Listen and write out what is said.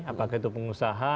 apakah itu pengusaha